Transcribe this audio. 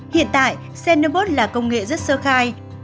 hiện tại xenobot là công nghệ rất sơ khai